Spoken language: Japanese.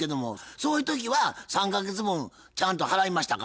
そういう時は３か月分ちゃんと払いましたか？